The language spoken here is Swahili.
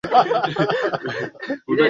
siku moja baada kupinga nyaraka hizo